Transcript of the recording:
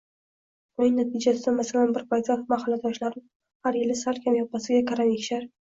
Buning natijasida, masalan, bir paytlar mahalladoshlarim har yili sal kam yoppasiga karam ekishar